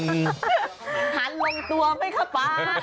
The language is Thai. หันลงตัวไหมคะป๊า